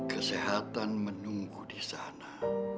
kesehatan menunggu di sana